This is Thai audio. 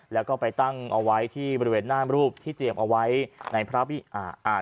แล้วก็ไปตั้งเอาไว้ที่บริเวณหน้ามรูปที่เตรียมเอาไว้ในพระวิอ่าอ่า